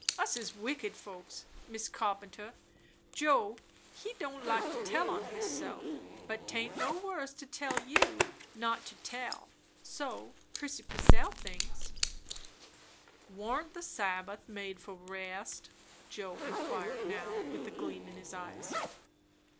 "Us is wicked folks, Miss Carpenter. Joe, he don't like to tell on hisself; but 'taint no worse to tell 'u not to tell. So Prissy Purcell thinks." "Warn't the Sabbath made for rest?" Joe inquired now, with a gleam in his eyes.